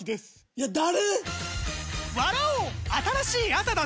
いや誰‼